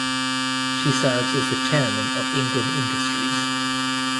She serves as the chairman of Ingram Industries.